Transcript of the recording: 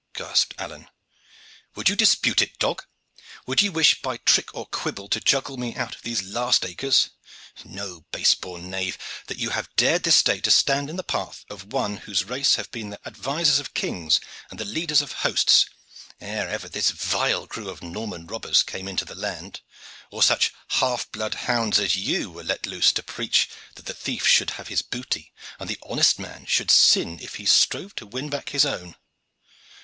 gasped Alleyne. "Would you dispute it, dog? Would you wish by trick or quibble to juggle me out of these last acres? Know, base born knave, that you have dared this day to stand in the path of one whose race have been the advisers of kings and the leaders of hosts, ere ever this vile crew of Norman robbers came into the land, or such half blood hounds as you were let loose to preach that the thief should have his booty and the honest man should sin if he strove to win back his own."